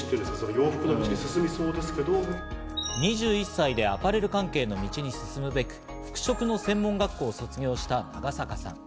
２１歳でアパレル関係の道に進むべく服飾の専門学校を卒業した長坂さん。